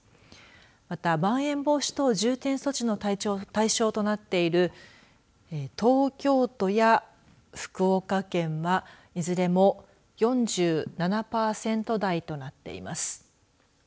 また、まん延防止等重点措置の対象となっている東京都や福岡県はいずれも４７パーセント台となっています。